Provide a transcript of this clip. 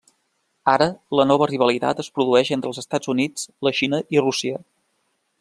Ara, la nova rivalitat es produeix entre els Estats Units, la Xina i Rússia.